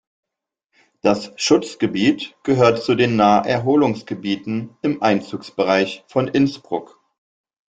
Das Schutzgebiet gehört zu den Naherholungsgebieten im Einzugsbereich von Innsbruck.